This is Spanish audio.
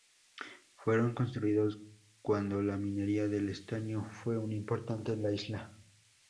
Fueron construidos cuando la minería del estaño fue un importante en la isla.